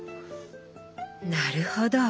なるほど！